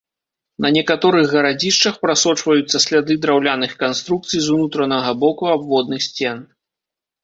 На некаторых гарадзішчах прасочваюцца сляды драўляных канструкцый з унутранага боку абводных сцен.